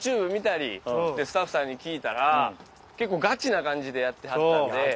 見たりスタッフさんに聞いたら結構ガチな感じでやってはったんで。